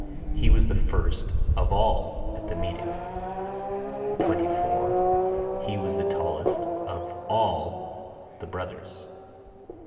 He was the first (of all) at the meeting. 24. He was the tallest of (all) the brothers.